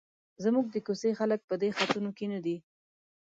زموږ د کوڅې خلک په دې خطونو کې نه دي.